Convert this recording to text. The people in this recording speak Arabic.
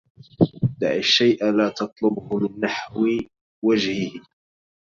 دع الشيء لا تطلبه من نحو وجهه